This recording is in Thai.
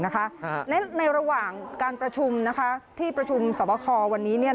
ในระหว่างการประชุมที่ประชุมสอบคอวันนี้